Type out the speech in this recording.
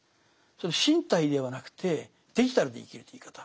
身体ではなくてデジタルで生きるという生き方。